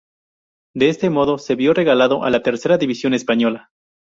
De este modo, se vio relegado a la Tercera división española.